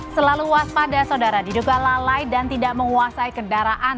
selalu waspada saudara diduga lalai dan tidak menguasai kendaraan